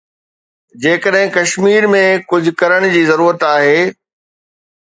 جيڪڏهن ڪشمير ۾ ڪجهه ڪرڻ جي ضرورت آهي.